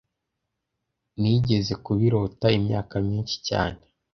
Nigeze kubirota imyaka myinshi cyane